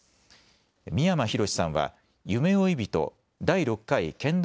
三山ひろしさんは夢追い人第６回けん玉